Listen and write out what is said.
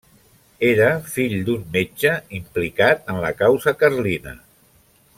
Era fill d'un metge implicat en la causa carlina.